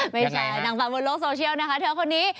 ไม่ใช่นางฟังบนโลกโซเชียลนะคะเธอคนนี้